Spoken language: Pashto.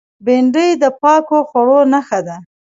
بېنډۍ د پاکو خوړو نخښه ده